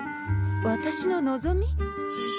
私の望み？